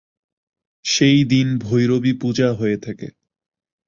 সেই দিন ভৈরবী পূজা হয়ে থাকে।